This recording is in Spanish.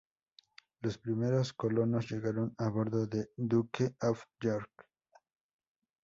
Los primeros colonos llegaron a bordo del "Duke of York".